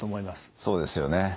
そうですよね。